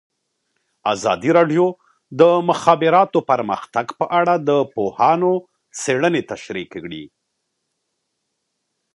ازادي راډیو د د مخابراتو پرمختګ په اړه د پوهانو څېړنې تشریح کړې.